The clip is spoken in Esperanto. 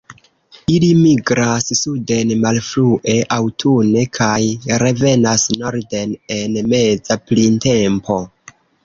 Ili migras suden malfrue aŭtune, kaj revenas norden en meza printempo.